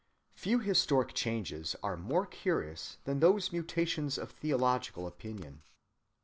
Few historic changes are more curious than these mutations of theological opinion.